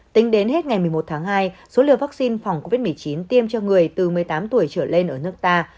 tính đến hết ngày một mươi một tháng hai số liều vaccine phòng covid một mươi chín tiêm cho người từ một mươi tám tuổi trở lên ở nước ta